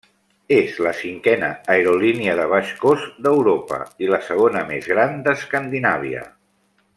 És la cinquena aerolínia de baix cost d'Europa i la segona més gran d'Escandinàvia.